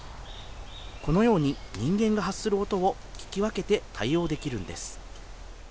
このように人間が発する音を聞き分けて対応できるんです。